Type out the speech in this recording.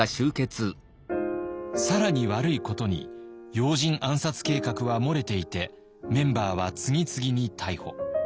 更に悪いことに要人暗殺計画は漏れていてメンバーは次々に逮捕。